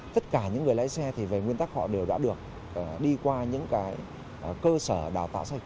tất cả những người lái xe thì về nguyên tắc họ đều đã được đi qua những cái cơ sở đào tạo xây